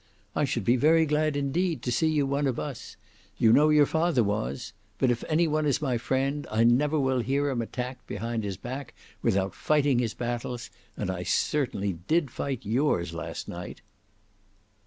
"I should be very glad indeed to see you one of us. You know your father was! But if any one is my friend I never will hear him attacked behind his back without fighting his battles; and I certainly did fight yours last night."